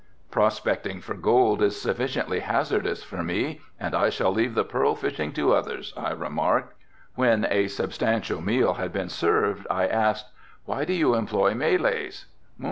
"Prospecting for gold is sufficiently hazardous for me and I shall leave the pearl fishing to others," I remarked. When a substantial meal had been served I asked, "Why do you employ Malays?"